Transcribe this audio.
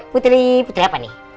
putri putri apa nih